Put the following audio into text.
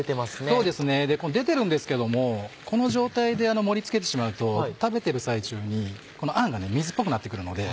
そうですね出てるんですけどもこの状態で盛り付けてしまうと食べてる最中にこのあんが水っぽくなって来るので。